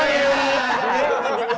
bikin pake benda